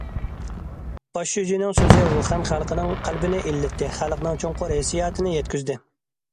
باش شۇجىنىڭ سۆزى ۋۇخەن خەلقىنىڭ قەلبىنى ئىللىتتى، خەلقنىڭ چوڭقۇر ھېسسىياتىنى يەتكۈزدى.